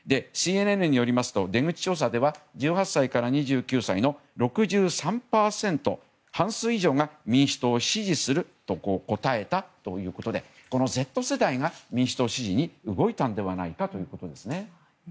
ＣＮＮによりますと出口調査では１８歳から２９歳の６３％半数以上が民主党を支持すると答えたということでこのＺ世代が民主党支持に動いたのではないかということですね。